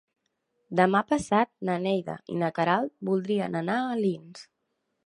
Demà passat na Neida i na Queralt voldrien anar a Alins.